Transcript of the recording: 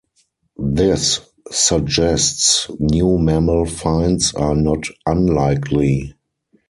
This suggests new mammal finds are not unlikely.